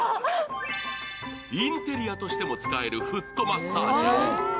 インテリアとしても使えるフットマッサージャー。